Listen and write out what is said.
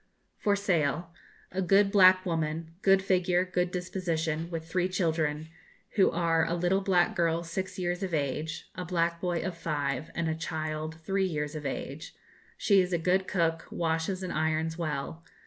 FOR SALE. A good black woman, good figure, good disposition, with three children, who are a little black girl 6 years of age, a black boy of 5, and a child 3 years of age; she is a good cook, washes and irons well.